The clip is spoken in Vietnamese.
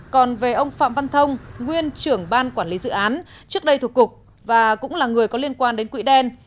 còn về ông phạm văn thông nguyên trưởng ban quản lý dự án trước đây thuộc cục và cũng là người có liên quan đến quỹ đen